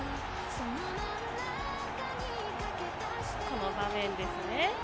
この場面ですね。